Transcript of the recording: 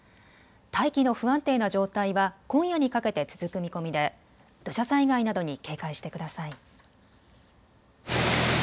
大気の不安定な状態は今夜にかけて続く見込みで土砂災害などに警戒してください。